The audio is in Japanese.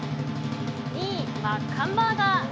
２位、マッカンバーガー。